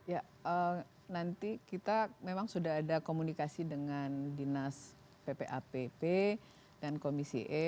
ya nanti kita memang sudah ada komunikasi dengan dinas ppapp dan komisi e